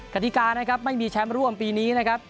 กฎิกานะครับไม่มีแชมป์ร่วมปีนี้นะครับ